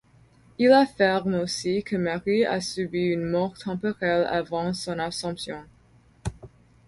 Ils affirment aussi que Marie a subi une mort temporelle avant son Assomption.